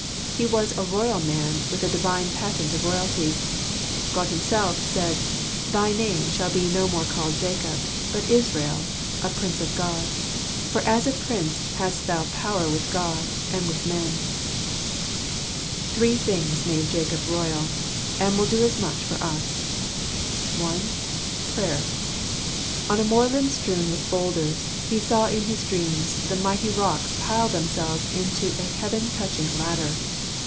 He was a royal man with a Divine patent of royalty. God Himself said, " Thy name shall be no more called Jacob, but Israel (a prince of God), for as a prince hast thou power with God, and with men." Three things made Jacob royal ; and will do as much for us. (1) Prayer. On the moorland strewn with boulders, he saw in his dreams the mighty rocks pile themselves into a heaven touching ladder.